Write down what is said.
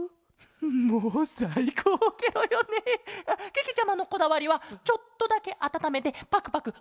けけちゃまのこだわりはちょっとだけあたためてパクパクおくちに。